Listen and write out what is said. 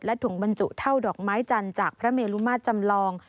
ถุงบรรจุเท่าดอกไม้จันทร์จากพระเมลุมาตรจำลอง